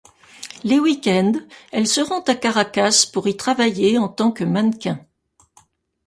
Les week-ends, elle se rend à Caracas pour y travailler en tant que mannequin.